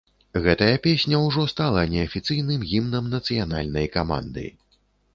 Гэтая песня ўжо стала неафіцыйным гімнам нацыянальнай каманды.